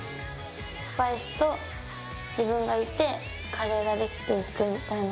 スパイスと自分がいてカレーができていくみたいな。